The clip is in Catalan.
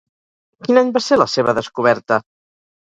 Quin any va ser la seva descoberta?